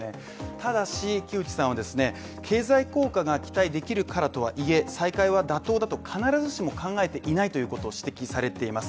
ただし、木内さんはですね、経済効果が期待できるからとはいえ、再開は妥当だと必ずしも考えていないということを指摘されています。